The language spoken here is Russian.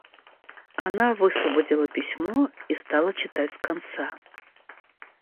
Она высвободила письмо и стала читать с конца.